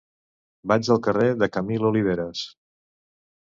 Vaig al carrer de Camil Oliveras.